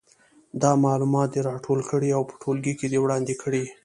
دا معلومات دې راټول کړي او په ټولګي کې دې وړاندې کړي.